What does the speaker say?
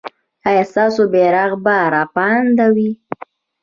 ایا ستاسو بیرغ به رپانده وي؟